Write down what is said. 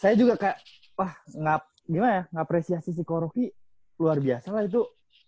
saya juga kayak wah gimana ya ngapresiasi si ko rocky luar biasa lah itu